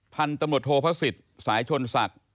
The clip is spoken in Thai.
พันตมรดโทษภาษิตสายชนศัตริ์